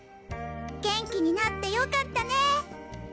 元気になって良かったね。